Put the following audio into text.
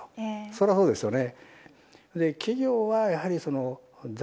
それはそうですよね。